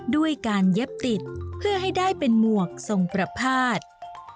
ด้วยการเย็บติดเพื่อให้ได้เป็นหมวกทรงประพาท